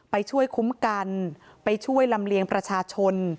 ไปช่วยคุ้มกันไปช่วยลำเลียงประชาชน